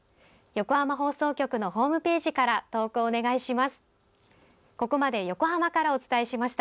横浜放送局のホームページから投稿お願いします。